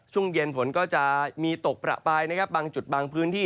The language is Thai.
ช่วงเย็นฝนก็จะมีตกประปรายนะครับบางจุดบางพื้นที่